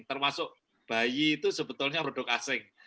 termasuk bayi itu sebetulnya produk asing